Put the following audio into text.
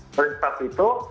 oleh sebab itu